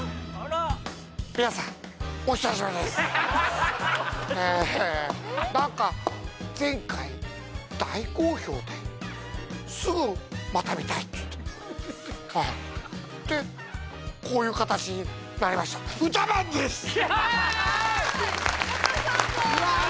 なんか前回大好評ですぐまた見たいってええでこういう形になりましたあ！